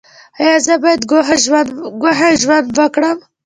ایا زه باید ګوښه ژوند وکړم؟